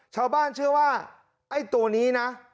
ชาวบ้านเชื่อว่าไอ้ตัวนี้นะ